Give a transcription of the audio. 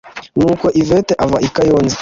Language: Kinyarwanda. nuko yvette ava i kayonza,